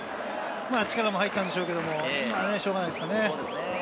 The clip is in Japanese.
力も入ったんでしょうけども、しょうがないですかね。